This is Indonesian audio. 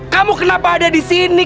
kamu kenapa ada disini